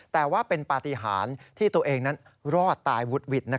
แต่ว่าเป็นปฏิหารที่ตัวเองนั้นรอดตายวุดหวิด